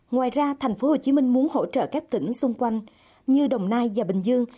ngoài ra thành phố hồ chí minh muốn hỗ trợ các tỉnh xung quanh như đồng nai và bình dương